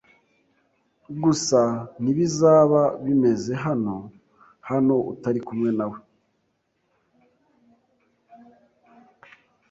Gusa ntibizaba bimeze hano hano utari kumwe nawe.